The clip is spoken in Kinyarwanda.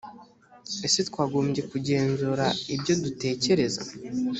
ese twagombye kugenzura ibyo dutekereza